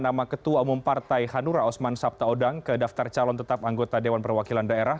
nama ketua umum partai hanura osman sabtaodang ke daftar calon tetap anggota dewan perwakilan daerah